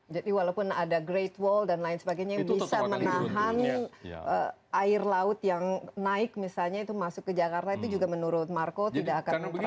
jadi walaupun ada great wall dan lain sebagainya yang bisa menahan air laut yang naik misalnya itu masuk ke jakarta itu juga menurut marco tidak akan terlalu efektif